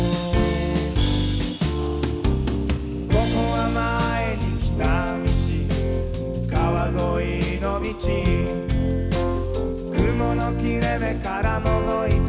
「ここは前に来た道」「川沿いの道」「雲の切れ目からのぞいた」